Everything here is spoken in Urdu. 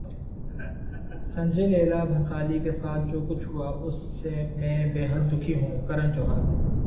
سنجے لیلا بھنسالی کے ساتھ جو کچھ ہوا اس سے میں بیحد دکھی ہوں: کرن جوہر